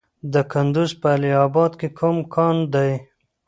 د کندز په علي اباد کې کوم کان دی؟